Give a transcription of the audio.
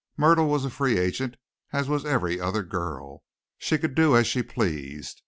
Myrtle was a free agent, as was every other girl. She could do as she pleased.